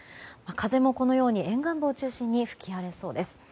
風も沿岸部を中心に吹き荒れそうです。